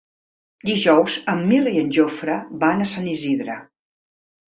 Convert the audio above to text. Dijous en Mirt i en Jofre van a Sant Isidre.